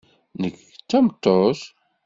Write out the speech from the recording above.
Nekk d tameṭṭut.